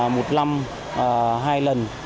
một năm hai lần